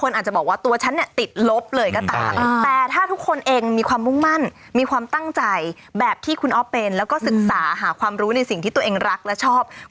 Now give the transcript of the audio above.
สำเร็จแบบคุณออฟได้นะครับ